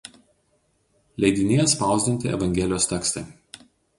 Leidinyje spausdinti evangelijos tekstai.